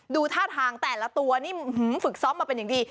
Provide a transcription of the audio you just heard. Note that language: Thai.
ดูท่าทางแต่ละตัวนี่ฝึกซ้อมมาเป็นอย่างดี